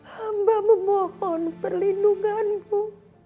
hamba memohon perlindunganmu